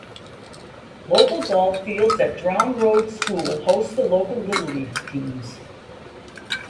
Local ballfields at Drowne Road School host the local Little League teams.